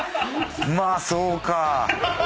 まあそうか。